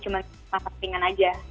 cuma nafas tingan aja